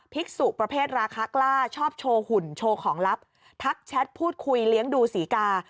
ภิกษุประเภทราคากล้าชอบโชว์หุ่นโชว์ของลับทักแชทพูดคุยเลี้ยงดูศรีกา